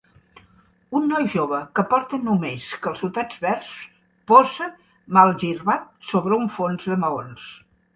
Un noi jove que porta només calçotets verds posa malgirbat sobre un fons de maons.